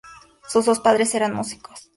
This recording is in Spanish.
Sus dos padres eran músicos.